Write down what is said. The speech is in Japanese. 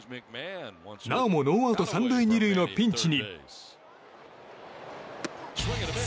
なおもノーアウト３塁、２塁のピンチに。